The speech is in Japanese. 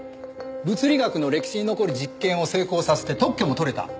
物理学の歴史に残る実験を成功させて特許も取れた。